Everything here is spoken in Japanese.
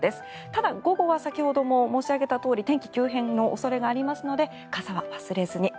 ただ、午後は先ほども申し上げたとおり天気急変の恐れがあるので傘は忘れずに。